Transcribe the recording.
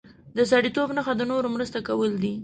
د سړیتوب نښه د نورو مرسته کول دي.